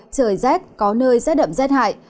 trời rét có nơi rét đậm rét hại